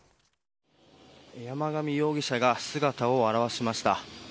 山上容疑者が姿を現しました。